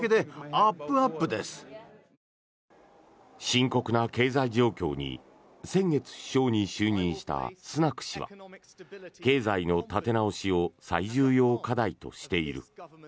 深刻な経済状況に先月首相に就任したスナク氏は経済の立て直しを最重要課題としている。